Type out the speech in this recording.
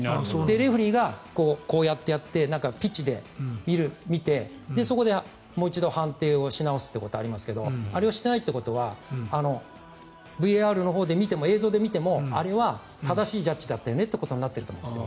レフェリーがこうやってやって、ピッチで見てそこでもう一度判定し直すことはありますがあれをしていないということはＶＡＲのほうで見ても映像で見てもあれは正しいジャッジだったよねということになってると思います。